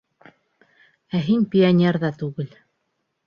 Ә һин пионер ҙа түгел.